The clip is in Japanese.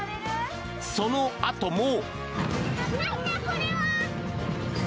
そのあとも。